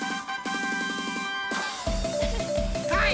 はい！